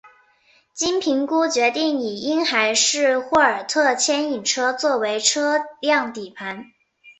经评估决定以婴孩式霍尔特牵引车作为车辆底盘。